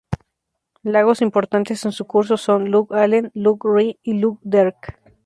Lagos importantes en su curso son Lough Allen, Lough Ree y Lough Derg.